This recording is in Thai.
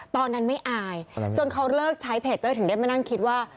ตอนนั้นไม่อายจนเขาเลิกใช้เพจเจ้ยถึงได้มานั่งคิดว่า